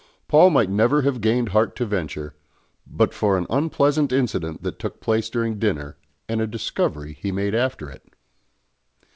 Paul might never have gained heart to venture, but for an unpleasant incident that took place during dinner and a discovery he made after it.